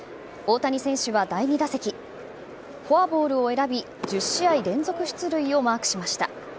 大谷選手は第２打席フォアボールを選び１０試合連続出塁をマークしました。